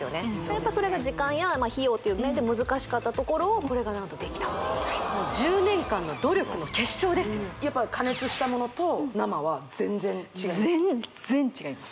やっぱそれが時間や費用という面で難しかったところをこれが何とできたと１０年間の努力の結晶ですよやっぱ加熱したものと生は全然違いま全然違います